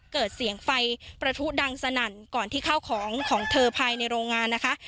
เกิดเสียงไฟประทุดังสนั่นก่อนที่เข้าของของเธอภายในโรงงานนะคะ